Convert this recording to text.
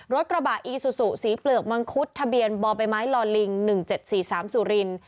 รถกระบะอีซูซูสีเปลือกมังคุดทะเบียนบ่อใบไม้ลอลิง๑๗๔๓สุรินทร์